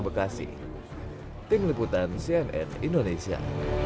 bekasi tim liputan cnn indonesia